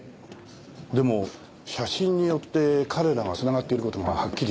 でも写真によって彼らがつながっている事がはっきりしたんです。